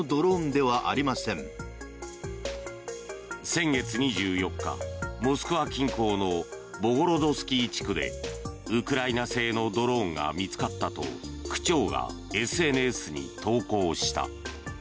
先月２４日、モスクワ近郊のボゴロドスキー地区でウクライナ製のドローンが見つかったと区長がＳＮＳに投稿した。